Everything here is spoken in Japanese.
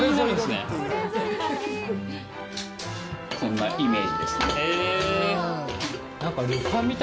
こんなイメージですね。